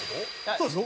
そうです。